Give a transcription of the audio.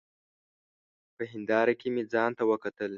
په هېنداره کي مي ځانته وکتل !